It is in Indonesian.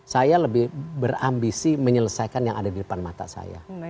saya lebih berambisi menyelesaikan yang ada di depan mata saya